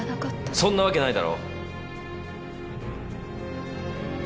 そんなわけないだろ。